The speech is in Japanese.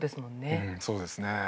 うんそうですね。